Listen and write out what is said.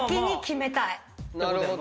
なるほど。